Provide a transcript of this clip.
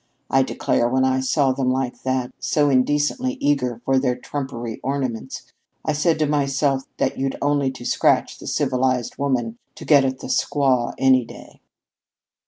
I declare, when I saw them like that, so indecently eager for their trumpery ornaments, I said to myself that you'd only to scratch the civilized woman to get at the squaw any day."